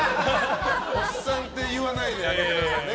おっさんって言わないであげてくださいね。